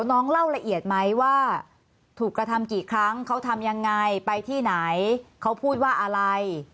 เล่าละเอียดไหมว่าถูกกระทำกี่ครั้งเขาทำยังไงไปที่ไหนเขาพูดว่าอะไร